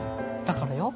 だからよ。